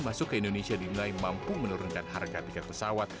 masuk ke indonesia dinilai mampu menurunkan harga tiket pesawat